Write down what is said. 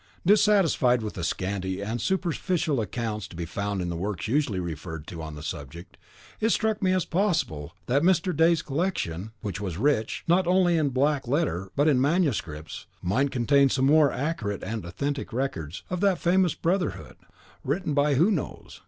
Dissatisfied with the scanty and superficial accounts to be found in the works usually referred to on the subject, it struck me as possible that Mr. D 's collection, which was rich, not only in black letter, but in manuscripts, might contain some more accurate and authentic records of that famous brotherhood, written, who knows?